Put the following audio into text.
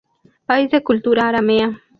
País de cultura aramea.